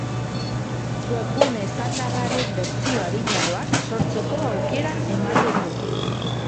Webgune estandarren bertsio arinagoak sortzeko aukera ematen du.